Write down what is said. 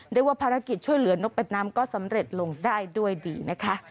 เรียกว่าภารกิจช่วยเหลือนกเป็ดน้ำก็สำเร็จลงได้ด้วยดีนะคะ